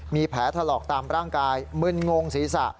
มีแผลถลอกตามร่างกายมึนงงศีรษะ